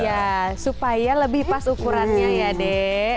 iya supaya lebih pas ukurannya ya dek